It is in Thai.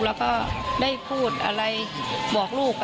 แล้วก็ได้พูดอะไรบอกลูก